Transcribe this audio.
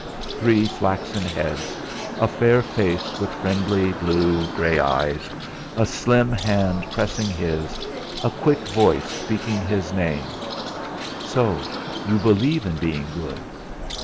Three flaxen heads a fair face with friendly blue grey eyes, a slim hand pressing his, a quick voice speaking his name "So you do believe in being good?"